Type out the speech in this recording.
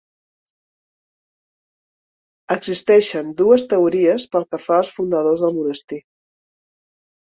Existeixen dues teories pel que fa als fundadors del monestir.